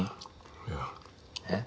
いや。えっ？